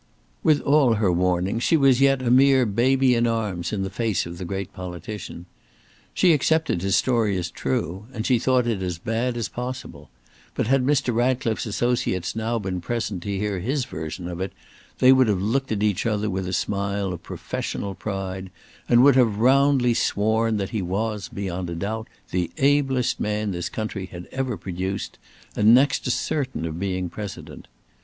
With all her warnings she was yet a mere baby in arms in the face of the great politician. She accepted his story as true, and she thought it as bad as possible; but had Mr. Ratcliffe's associates now been present to hear his version of it, they would have looked at each other with a smile of professional pride, and would have roundly sworn that he was, beyond a doubt, the ablest man this country had ever produced, and next to certain of being President.